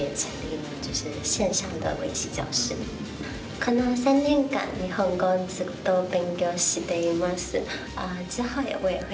この３年間日本語をずっと勉強しています。